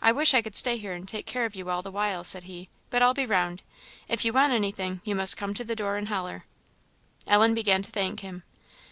"I wish I could stay here and take care of you all the while," said he; "but I'll be round. If you want anything, you must come to the door and holler." Ellen began to thank him.